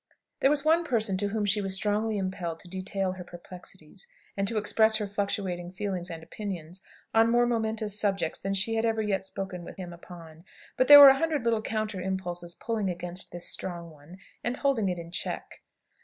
There was one person to whom she was strongly impelled to detail her perplexities, and to express her fluctuating feelings and opinions on more momentous subjects than she had ever yet spoken with him upon. But there were a hundred little counter impulses pulling against this strong one, and holding it in check.